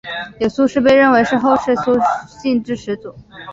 有苏氏被认为是后世苏姓之始祖。